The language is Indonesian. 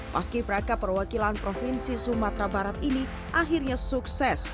meski beraka perwakilan provinsi sumatera barat ini akhirnya sukses